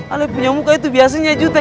ale punya muka itu biasanya jutek